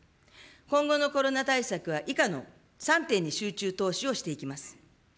今後のコロナ対策は、以下の３点に集中投資をしていきます。